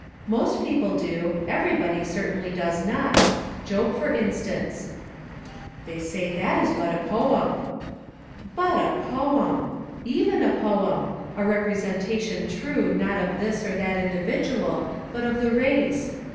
"Most people do; everybody certainly does not: Job, for instance." "They say that is but a poem." "BUT a poem! EVEN a poem a representation true not of this or that individual, but of the race!